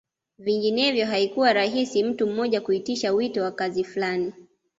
Vinginevyo haikuwa rahisi mtu mmoja kuitisha wito wa kazi fulani